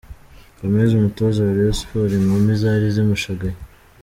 Gomez umutoza wa Rayon Sports inkumi zari zimushagaye.